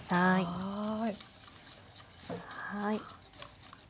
はい。